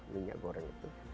minyak goreng itu